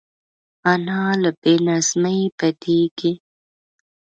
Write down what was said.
انا له بې نظمۍ بدېږي